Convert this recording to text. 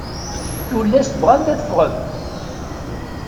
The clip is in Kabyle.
Tullast bɣant ad ffɣent.